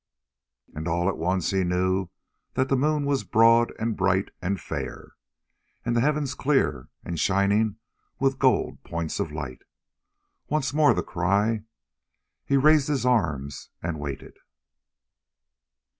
And all at once he knew that the moon was broad and bright and fair, and the heavens clear and shining with gold points of light. Once more the cry. He raised his arms and waited.